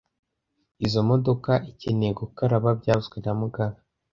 Izoi modoka ikeneye gukaraba byavuzwe na mugabe